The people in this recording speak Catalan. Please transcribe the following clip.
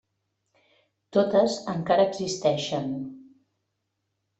Totes encara existeixen.